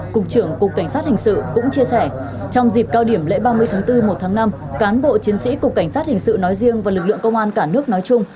cục trưởng cục cảnh sát hình sự cũng chia sẻ trong dịp cao điểm lễ ba mươi tháng bốn một tháng năm cán bộ chiến sĩ cục cảnh sát hình sự nói riêng và lực lượng công an cả nước nói chung